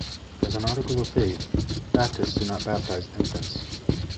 As an article of faith, Baptists do not baptize infants.